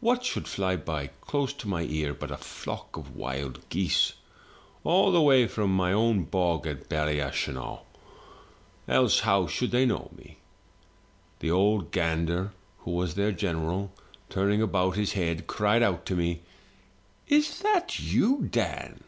what should fly by close to my ear but a flock of wild geese, all the way from my own bog of Ballyashenogh, else how should they know me? The ould gander, who was their general, turning about his head, cried out to me, *Is that you, Dan?'